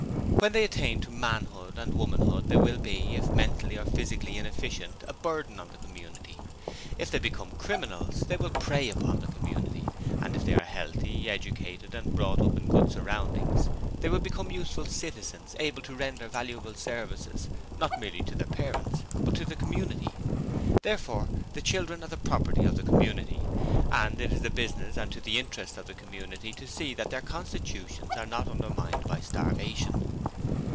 When they attain to manhood and womanhood they will be, if mentally or physically inefficient, a burden on the community; if they become criminals, they will prey upon the community, and if they are healthy, educated and brought up in good surroundings, they will become useful citizens, able to render valuable service, not merely to their parents, but to the community. Therefore the children are the property of the community, and it is the business and to the interest of the community to see that their constitutions are not undermined by starvation.